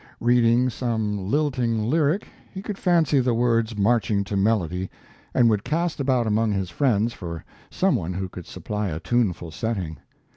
Reading some lilting lyric, he could fancy the words marching to melody, and would cast about among his friends for some one who could supply a tuneful setting.